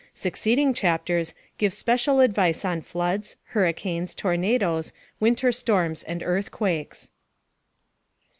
Succeeding chapters give special advice on floods, hurricanes, tornadoes, winter storms, and earthquakes.